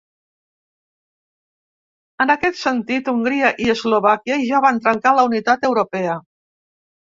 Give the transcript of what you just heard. En aquest sentit, Hongria i Eslovàquia ja van trencar la unitat europea.